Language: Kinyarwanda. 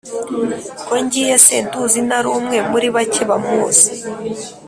Ko ngiye se nduzi Nari umwe muri bake bamuzi